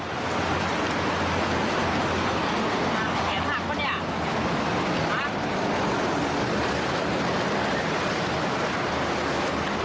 แข็งหักปะเนี้ยฮะ